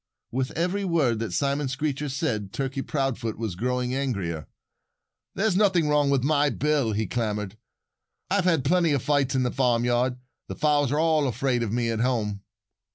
With every word that Simon Screecher said, Turkey Proudfoot was growing angrier. "There's nothing wrong with my bill," he clamored. "I've had plenty of fights in the farmyard. The fowls are all afraid of me at home."